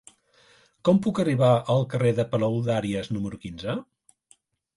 Com puc arribar al carrer de Palaudàries número quinze?